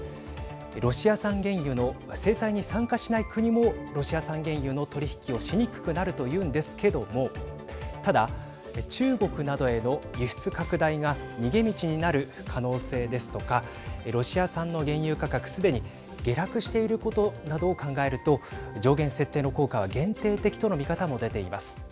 ロシア産原油の制裁に参加しない国もロシア産原油の取り引きをしにくくなるというんですけれどもただ、中国などへの輸出拡大が逃げ道になる可能性ですとかロシア産の原油価格すでに下落していることなどを考えると上限設定の効果は限定的との見方も出ています。